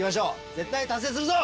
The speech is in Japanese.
絶対達成するぞ！